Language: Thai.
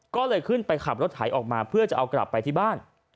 ก็เลยขึ้นไปขับรถไถออกมาเพื่อจะเอากลับไปที่บ้าน